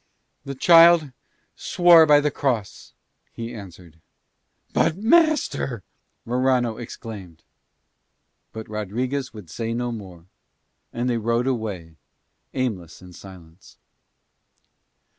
"The child swore by the cross," he answered. "But, master!" Morano exclaimed. But Rodriguez would say no more. And they rode away aimless in silence.